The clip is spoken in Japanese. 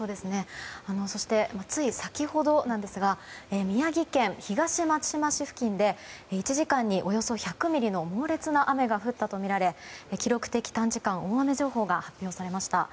そしてつい先ほどなんですが宮城県東松島市付近で１時間におよそ１００ミリの猛烈な雨が降ったとみられ記録的短時間大雨情報が発表されました。